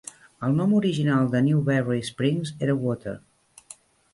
El nom original de Newberry Springs era "Water".